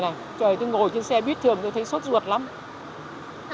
các xe khác thì không lên nhưng mà xe buýt thì lên cho người ta đi